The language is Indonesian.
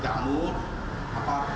saya tunggu di dalam ya